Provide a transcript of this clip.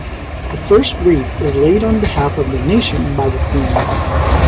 The first wreath is laid on behalf of the nation by the Queen.